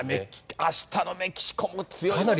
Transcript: あしたのメキシコも強いですからね。